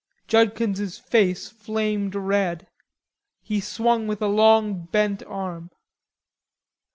Judkins's face flamed red. He swung with a long bent arm.